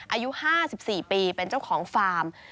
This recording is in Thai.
อายุ๕๔ปีเป็นเจ้าของฟาร์ม